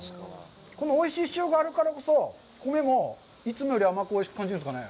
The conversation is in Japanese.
このおいしい塩があるからこそ、米もいつもより甘く、おいしく感じるんですかね。